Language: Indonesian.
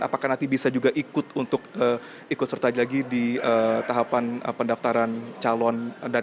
apakah nanti bisa juga ikut untuk ikut sertai lagi di tahapan pendaftaran calon gubernur kedepo kenur